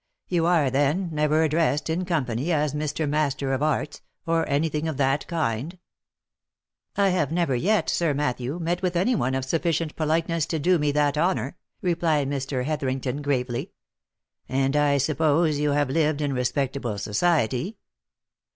— You are, then, never addressed in company as Mr. Master of Arts, or any thing of that kind ?"" I have never yet, Sir Matthew, met with any one of sufficient politeness to do me that honour," replied Mr. Hetherington gravely. " And I suppose you have lived in respectable society